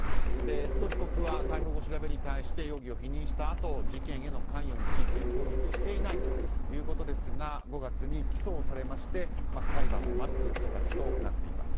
須藤被告は逮捕後調べに対して容疑を否認したあと事件への関与について供述していないということですが５月に起訴をされまして裁判を待つ形となっています。